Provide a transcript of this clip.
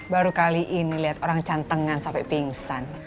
baru kali ini lihat orang cantengan sampai pingsan